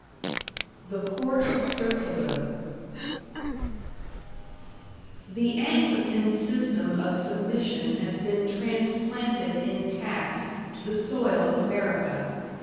THE COURT CIRCULAR The Anglican system of submission has been transplanted intact to the soil of America.